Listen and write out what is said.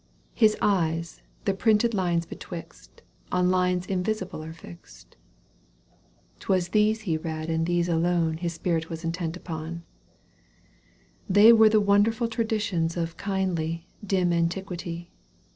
His eyes, the printed lines betwixt, On lines invisible are fixt ; 'Twas these he read and these alone His spirit was intent upoiL They were the wonderful traditions Of kindly, dim antiquity.